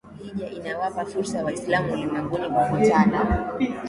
hijja inawapa fursa waislamu ulimwenguni kukutana